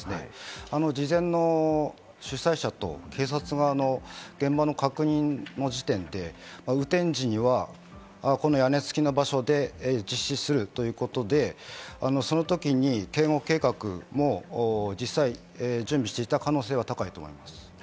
直前の変更がもしあったとしてもですね、事前の主催者と、警察側の現場の確認の時点で、雨天時にはこの屋根付きの場所で実施するということで、そのときに警護計画も実際、準備していた可能性は高いと思います。